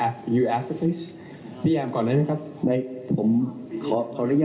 คุณทศก่อนครับ